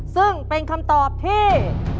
ซึ่งเป็นคำตอบที่